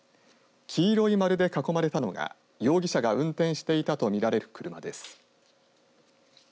黄色い丸で囲まれたのが容疑者が運転していたと見られる車です。